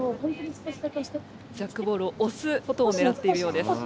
ジャックボールを押すことをねらっているようです。